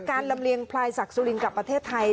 ลำเลียงพลายศักดิ์สุรินกับประเทศไทย